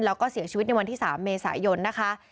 แล้วก็เสียชีวิตในวันที่๓เมษายนนะคะ